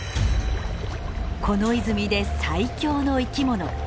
この泉で最強の生き物。